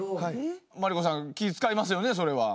麻利子さん気ぃ遣いますよねそれは。